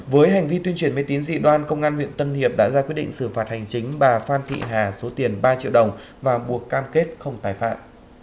với hành vi tuyên truyền mê tín dị đoan công an huyện tân hiệp đã ra quyết định xử phạt hành chính bà phan thị hà số tiền ba triệu đồng và buộc cam kết không tái phạm